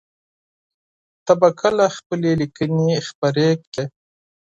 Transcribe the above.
ته به کله خپلي ليکنې خپرې کړې؟